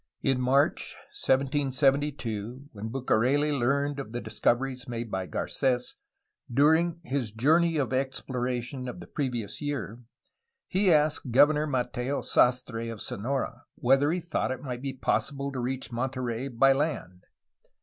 In March 1772 when Bucareli learned of the discoveries made by Garces during his journey of exploration of the previous year he asked Governor Mateo Sastre of Sonora whether he thought it might be possible to reach Monterey by land.